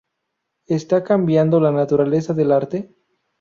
Está cambiando la naturaleza del Arte?